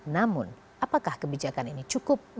namun apakah kebijakan ini cukup